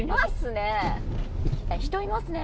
いますね。